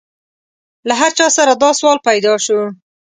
له هر چا سره دا سوال پیدا شو.